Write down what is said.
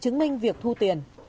chứng minh việc thu tiền